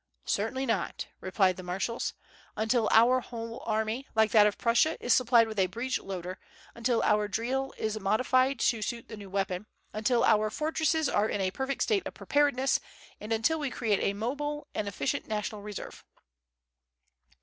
"Certainly not," replied the marshals, "until our whole army, like that of Prussia, is supplied with a breech loader; until our drill is modified to suit the new weapon; until our fortresses are in a perfect state of preparedness, and until we create a mobile and efficient national reserve."